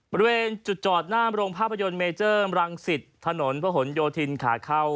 บริเวณจุดจอดหน้าโรงภาพยนตร์เมเจอร์มรังสิตถนนพระหลโยธินขาเข้า